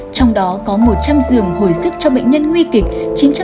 trong đó có một trăm linh giường hồi sức cho bệnh nhân nguy kịch